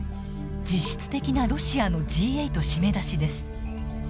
実質的なロシアのＧ８締め出しです。